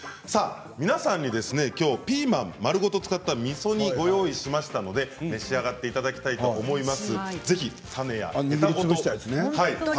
皆さんに、ピーマンを丸ごと使ったみそ煮をご用意しましたので召し上がっていただきたいと思います。